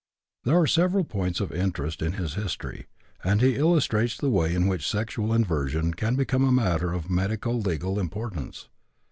There are several points of interest in his history, and he illustrates the way in which sexual inversion can become a matter of medico legal importance.